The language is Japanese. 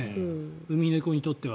ウミネコにとっては。